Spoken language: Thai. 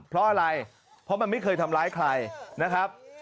เพราะอะไรเพราะมันไม่เคยทำร้ายใครนะครับ